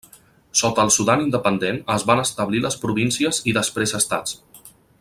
Sota el Sudan independent es van establir les províncies i després estats.